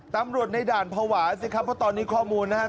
ตำรวจในด่านภาวะสิครับเพราะตอนนี้ข้อมูลนะครับ